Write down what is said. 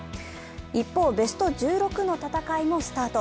一方、ベスト１６の戦いもスタート。